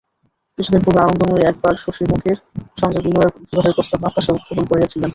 কিছুদিন পূর্বে আনন্দময়ী একবার শশিমুখীর সঙ্গে বিনয়ের বিবাহের প্রস্তাব আভাসে উত্থাপন করিয়াছিলেন।